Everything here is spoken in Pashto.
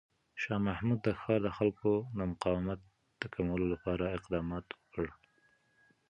شاه محمود د ښار د خلکو د مقاومت د کمولو لپاره اقدامات وکړ.